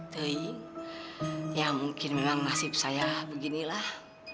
tapi ya mungkin memang nasib saya beginilah